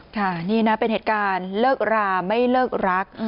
ค่ะนี่นะเป็นเหตุการณ์เลิกราไม่เลิกรัก